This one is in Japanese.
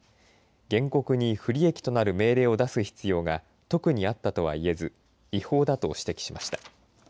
原告に不利益となる命令を出す必要が特にあったとはいえず違法だと指摘しました。